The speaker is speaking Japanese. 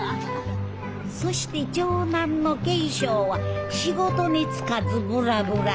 そして長男の恵尚は仕事につかずブラブラ。